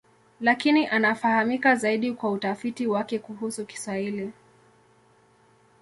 Lakini anafahamika zaidi kwa utafiti wake kuhusu Kiswahili.